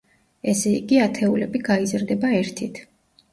ესე იგი, ათეულები გაიზრდება ერთით.